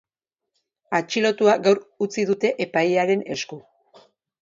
Atxilotua gaur utzi dute epailearen esku.